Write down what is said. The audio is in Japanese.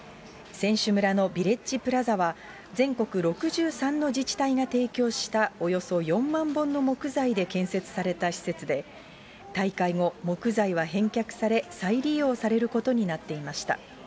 選手村のビレッジプラザは、全国６３の自治体が提供したおよそ４万本の木材で建設された施設で、大会後、木材は返却され、再利用されることになっていました。